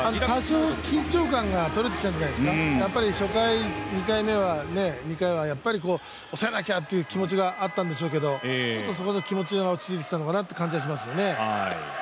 多少、緊張感がとれてきたんじゃないですかやっぱり初回、２回はやっぱり抑えなきゃという気持ちがあったんでしょうけど、そこで気持ちが落ち着いてきたのかなという感じがしますね。